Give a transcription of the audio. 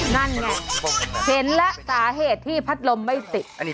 นั่นไงเห็นแล้วสาเหตุที่พัดลมไม่ติด